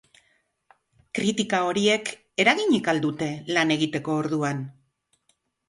Kritika horiek eraginik al dute lan egiteko orduan?